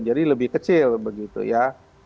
jadi lebih kecil begitu ya